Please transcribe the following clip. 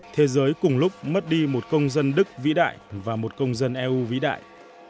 thế giới cùng lúc mất đi một công dân đức vĩ đại và một công dân eu vĩ đại